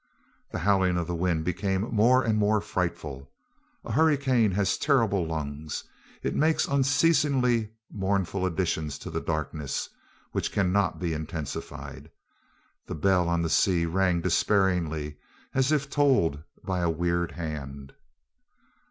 The howling of the wind became more and more frightful. A hurricane has terrible lungs; it makes unceasingly mournful additions to darkness, which cannot be intensified. The bell on the sea rang despairingly, as if tolled by a weird hand.